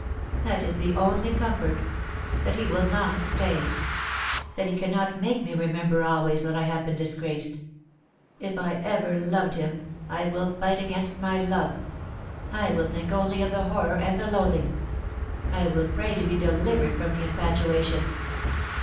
That is the only comfort — that he will not stay; that he cannot make me remember always that I have been disgraced. ... If I ever loved him, I will fight against my love ; I will think only of the horror and the loathing ; I will pray to be delivered from the in&tuation.